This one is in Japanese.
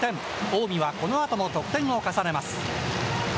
近江はこのあとも得点を重ねます。